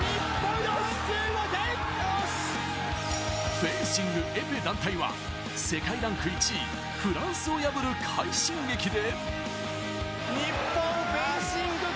フェンシング、エペ団体は世界ランク１位フランスを破る快進撃で。